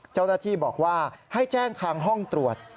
เจ้าหน้าที่บอกว่าให้แจ้งทางห้องตรวจ